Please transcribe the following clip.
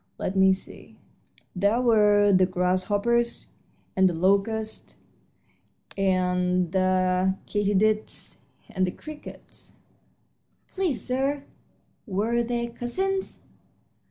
Let me see there were the grasshoppers and the locusts and the katydids and the crickets." "Please, sir, were they cousins?"